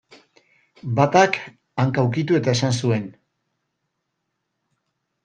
Batak, hanka ukitu eta esan zuen.